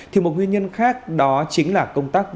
thì một nguyên nhân khác đó chính là công tác